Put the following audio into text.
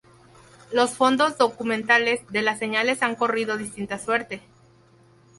Los fondos documentales de las señales han corrido distinta suerte.